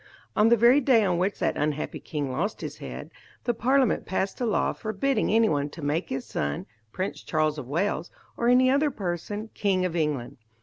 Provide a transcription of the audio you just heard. On the very day on which that unhappy king lost his head, the Parliament passed a law forbidding anyone to make his son, Prince Charles of Wales, or any other person, king of England.